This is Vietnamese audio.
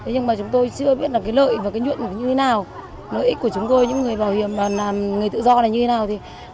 nhưng mà chúng tôi chưa biết là cái lợi và cái nhuộm như thế nào lợi ích của chúng tôi những người bảo hiểm người tự do là như thế nào